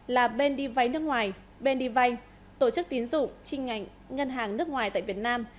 là bên đi vay nước ngoài bên đi vay tổ chức tín dụng trinh ngành ngân hàng nước ngoài tại việt nam